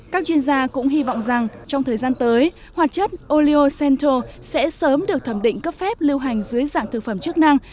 các chuyên gia cũng hy vọng rằng trong thời gian tới hoạt chất oleo cento sẽ sớm được thẩm định cấp phép lưu hành dưới dạng thực phẩm chức năng